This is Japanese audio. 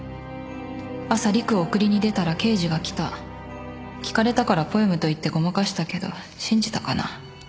「朝吏玖を送りに出たら刑事が来た」「聞かれたからポエムと言ってごまかしたけど信じたかな？」